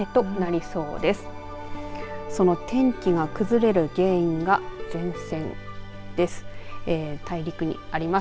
その天気が崩れる原因が前線です。